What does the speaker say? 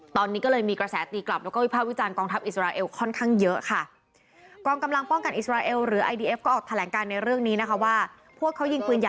ตอนนี้ก็เลยมีกระแสตีกลับแล้วก็วิภาควิจารณกองทัพอิสราเอลค่อนข้างเยอะค่ะ